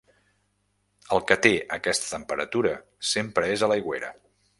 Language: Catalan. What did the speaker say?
El que té aquesta temperatura sempre és a l'aigüera.